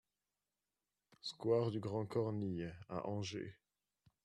SQUARE DU GRAND CORNILLE à Angers